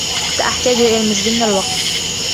سأحتاج إلى المزيد من الوقت.